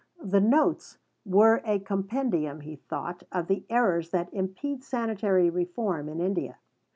The "Notes" were a compendium, he thought, of the errors that impede sanitary reform in India.